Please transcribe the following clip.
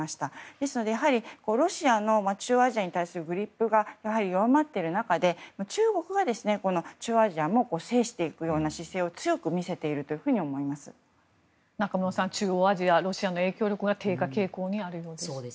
ですので、ロシアの中央アジアに対するグリップが弱まっている中中国が中央アジアも制していく姿勢を強く見せていると中室さん、中央アジアロシアの影響力が低下傾向にあるようです。